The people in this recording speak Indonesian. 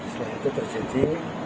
setelah itu terjadi